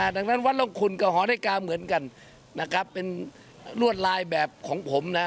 ดังนั้นวัดร่องคุณก็หอนาฬิกาเหมือนกันนะครับเป็นลวดลายแบบของผมนะ